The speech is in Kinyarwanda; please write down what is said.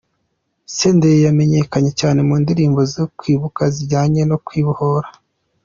Senderi yamenyekanye cyane mu ndirimbo zo kwibuka n’izijyanye no kwibohora.